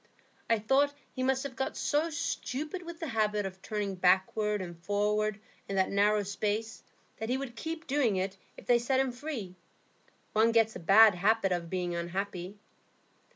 I thought he must have got so stupid with the habit of turning backward and forward in that narrow space that he would keep doing it if they set him free. One gets a bad habit of being unhappy."